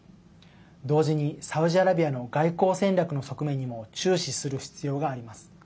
同時に、サウジアラビアの外交戦略の側面にも注視する必要があります。